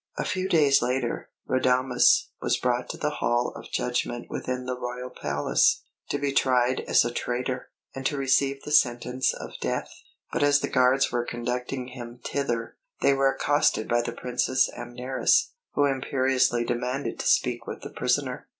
A few days later, Radames was brought to the Hall of Judgment within the royal palace, to be tried as a traitor, and to receive the sentence of death; but as the guards were conducting him thither, they were accosted by the Princess Amneris, who imperiously demanded to speak with the prisoner.